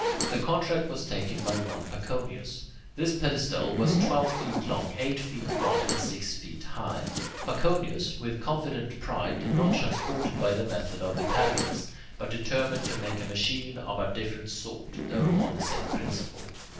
The contract was taken by one Paconius. This pedestal was twelve feet long, eight feet wide, and six feet high. Paconius, with confident pride, did not transport it by the method of Metagenes, but determined to make a machine of a different sort, though on the same principle.